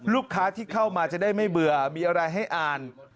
ลูกค้าที่เข้ามาจะได้ไม่เบื่อมีอะไรให้อ่าน